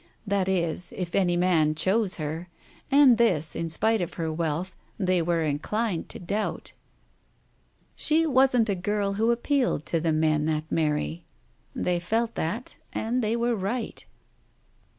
That is, if any man chose her, and this, in spite of her wealth, they were inclined to doubt. She wasn't a girl who appealed to the men that marry. They felt that, and they were right.